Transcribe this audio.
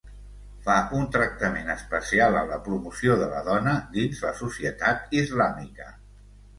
Fa un tractament especial a la promoció de la dona dins la societat islàmica.